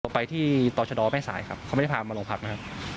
ไปที่ต่อชะดอแม่สายครับเขาไม่ได้พามาโรงพักนะครับ